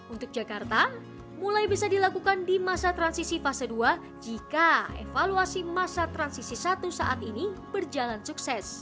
untuk jakarta mulai bisa dilakukan di masa transisi fase dua jika evaluasi masa transisi satu saat ini berjalan sukses